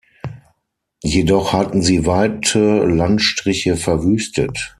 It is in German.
Jedoch hatten sie weite Landstriche verwüstet.